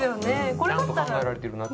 ちゃんと考えられてるなと。